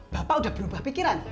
bapak udah berubah pikiran